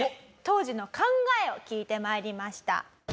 当時の考えを聞いて参りました。